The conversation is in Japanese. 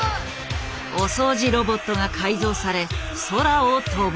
お掃除ロボットが改造され空を飛ぶ。